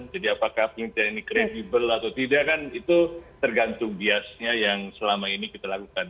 jadi apakah penelitian ini kredibel atau tidak kan itu tergantung biasnya yang selama ini kita lakukan